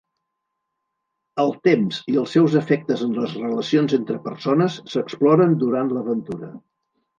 El temps i els seus efectes en les relacions entre persones s'exploren durant l'aventura.